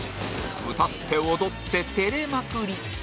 歌って踊って照れまくり